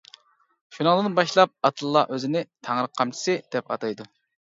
شۇنىڭدىن باشلاپ ئاتتىلا ئۆزىنى «تەڭرى قامچىسى» دەپ ئاتايدۇ.